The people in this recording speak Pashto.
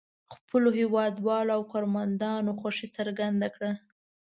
خپلو هېوادوالو او کارمندانو خوښي څرګنده کړه.